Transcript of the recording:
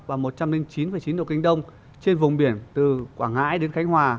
và một trăm linh chín chín độ kinh đông trên vùng biển từ quảng ngãi đến khánh hòa